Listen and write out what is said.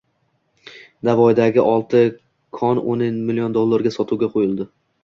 Navoiydagi oltin konio'nmillion dollarga sotuvga qo‘yildi